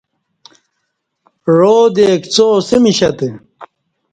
عادے کڅا اسمیشہ تہ